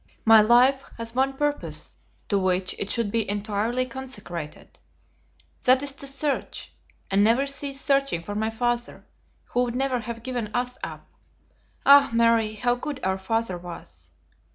My life has one purpose to which it should be entirely consecrated that is to search, and never cease searching for my father, who would never have given us up. Ah, Mary, how good our father was!"